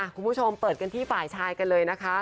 คุณผู้ชมเปิดกันที่ฝ่ายชายกันเลยนะคะ